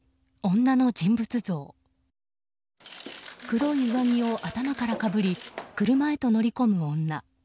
黒い上着を頭からかぶり車へと乗り込む女。